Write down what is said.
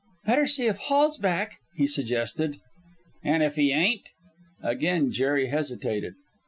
"Better see if Hall's back," he suggested. "And if he ain't?" Again Jerry hesitated.